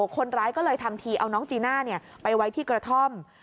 คนร้ายก็เลยทำทีเอาน้องจีน่าไปไว้ที่กระท่อม